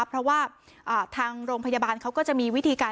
เพราะว่าทางโรงพยาบาลเขาก็จะมีวิธีการ